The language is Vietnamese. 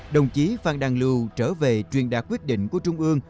đồng chí phan đăng lưu trở về truyền đạt quyết định của trung ương